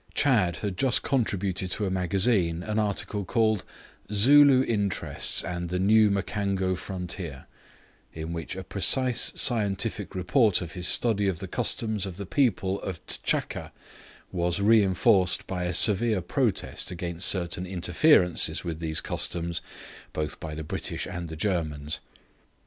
Chadd had just contributed to a magazine an article called "Zulu Interests and the New Makango Frontier", in which a precise scientific report of his study of the customs of the people of T'Chaka was reinforced by a severe protest against certain interferences with these customs both by the British and the Germans.